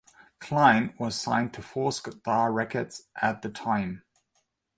Cline was signed to Four Star Records at the time.